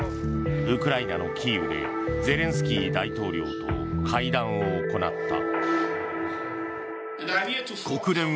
ウクライナのキーウでゼレンスキー大統領と会談を行った。